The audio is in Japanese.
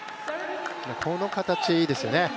この形、いいですよね。